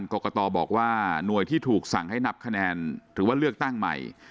กรกตบอกว่าหน่วยที่ถูกสั่งให้นับคะแนนหรือว่าเลือกตั้งใหม่